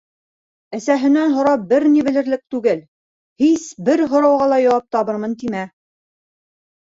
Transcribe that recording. Әсәһенән һорап бер ни белерлек түгел! һис, бер һорауға яуап табырмын тимә!